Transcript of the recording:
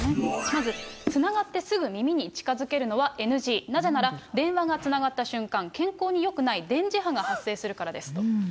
まず、つながってすぐ耳に近づけるのはＮＧ、なぜなら、電話がつながった瞬間、健康によくない電磁波が発生するからですと。